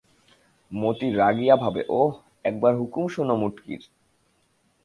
মতি রাগিয়া ভাবে, ওহ্ একবার হুকুম শোনো মুটকির!